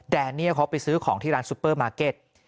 แนเนียเขาไปซื้อของที่ร้านซุปเปอร์มาร์เก็ต